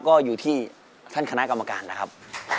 ก็อยู่ที่ท่านคณะกรรมการนะครับ